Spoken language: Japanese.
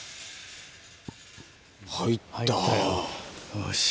よし。